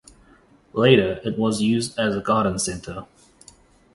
Later it was used as a garden centre.